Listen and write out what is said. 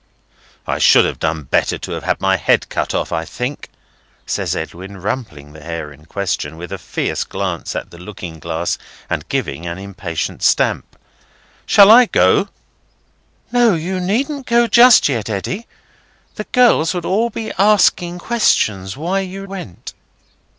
"I should have done better to have had my head cut off, I think," says Edwin, rumpling the hair in question, with a fierce glance at the looking glass, and giving an impatient stamp. "Shall I go?" "No; you needn't go just yet, Eddy. The girls would all be asking questions why you went."